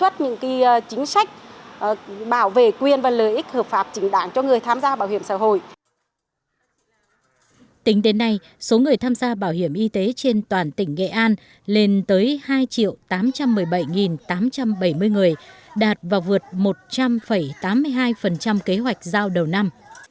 tính đến nay số người tham gia bảo hiểm y tế trên toàn tỉnh nghệ an lên tới hai triệu tám trăm một mươi bảy tám trăm bảy mươi người đạt và vượt một trăm linh tám mươi hai kế hoạch giao đầu năm